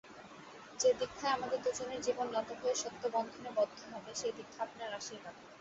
যে দীক্ষায় আমাদের দুজনের জীবন নত হয়ে সত্যবন্ধনে বদ্ধ হবে সেই দীক্ষা আপনার আশীর্বাদ।